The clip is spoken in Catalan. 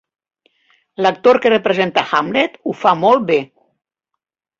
L'actor que representa Hamlet ho fa molt bé.